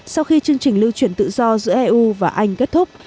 sau khi chương trình lưu chuyển tự do giữa eu và anh kết thúc